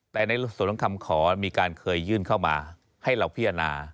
แต่ในส่วนของคำขอมีการเคยยื่นเข้ามาให้เราพิจารณา